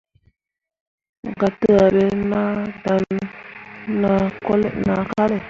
Gataaɓe nah dan nah kalle.